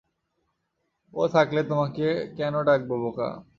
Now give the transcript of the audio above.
ও থাকলে তোমাকে কেন ডাকবো বোকা?